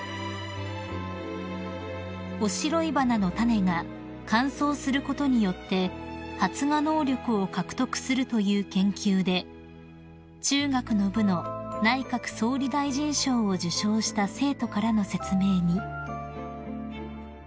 ［オシロイバナの種が乾燥することによって発芽能力を獲得するという研究で中学の部の内閣総理大臣賞を受賞した生徒からの説明に］